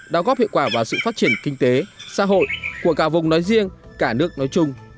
đào góp hiệu quả vào sự phát triển kinh tế xã hội của cả vùng nói riêng cả nước nói chung